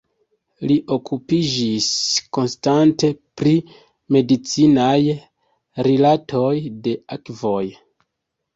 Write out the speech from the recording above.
Li okupiĝis konstante pri medicinaj rilatoj de akvoj.